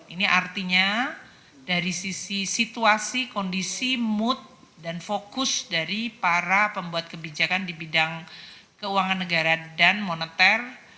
ini artinya dari sisi situasi kondisi mood dan fokus dari para pembuat kebijakan di bidang keuangan negara dan moneter